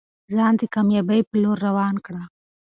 ځان د کامیابۍ په لور روان کړه.